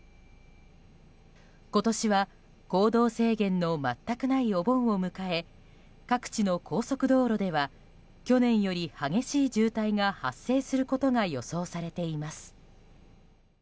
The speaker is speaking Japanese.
今年は行動制限の全くないお盆を迎え各地の高速道路では去年より激しい渋滞が発生することが予想されています。